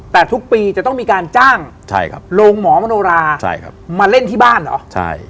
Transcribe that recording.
แต่ทุกปีจะต้องมีการจ้างโรงหมอมโนรามาเล่นที่บ้านเหรอใช่